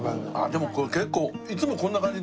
でも結構いつもこんな感じで。